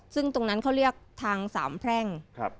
ซึ่งตรงนั้นเขาเรียกทางสามแพร่ง